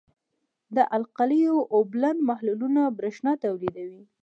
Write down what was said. د القلیو اوبلن محلولونه برېښنا تیروي.